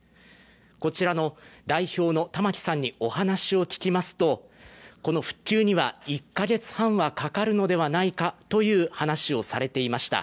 こちらの代表の玉木さんにお話を聞きますとこの復旧には１カ月半はかかるのではないかという話をされていました。